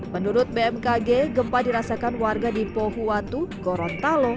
menurut bmkg gempa dirasakan warga di pohuwatu gorontalo